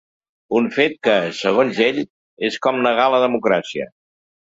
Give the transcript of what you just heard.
Un fet que, segons ell, és com negar la democràcia.